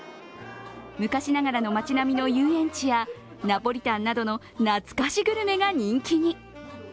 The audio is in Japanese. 昔ながらの街並みの遊園地やナポリタンなどの懐かしグルメが人気に。